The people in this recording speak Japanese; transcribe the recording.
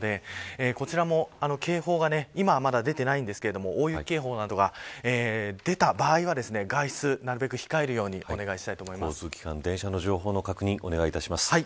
こちらも警報が今は、まだ出ていませんが大雪警報などが出た場合は外出はなるべく控えるように交通機関、電車の状態情報の確認、お願いします。